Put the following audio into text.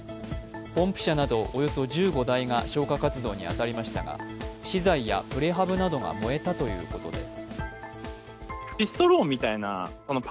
ポンプ車などおよそ１５台が消火活動にあたりましたが資材やプレハブなどが燃えたということです。